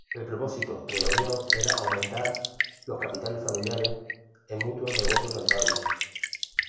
El propósito de la unión era aumentar los capitales familiares en mutuos negocios rentables.